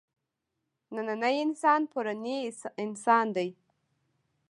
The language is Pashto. نننی انسان پروني انسان دی.